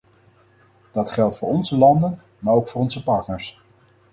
Dat geldt voor onze landen, maar ook voor onze partners.